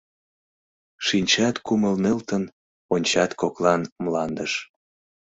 Шинчат кумыл нӧлтын, ончат коклан мландыш.